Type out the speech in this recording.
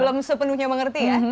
belum sepenuhnya mengerti ya